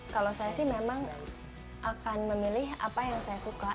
kalau saya sih memang akan memilih apa yang saya suka